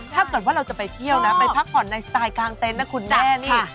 ถ้าเกิดว่าเราจะไปเที่ยวนะไปพักผ่อนในสไตล์กลางเต็นต์นะคุณแม่นี่